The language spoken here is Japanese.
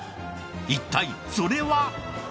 一体それは。